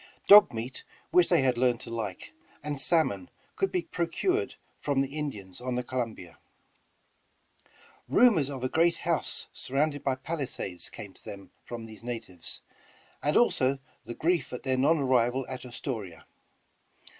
Dog meat, which they had learned to like, and salmon could be procured from the Indians on the Columbia. Rumors of a great house surrounded by palisades came to them from these natives, and also the grief at their non arrival at Astoria.